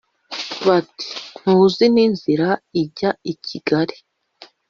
bati ntuzi n’inzira ijya kigali